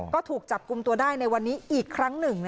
ก็ถูกจับกลุ่มตัวได้ในวันนี้อีกครั้งหนึ่ง